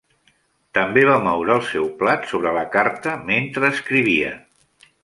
També va moure el seu plat sobre la carta mentre escrivia.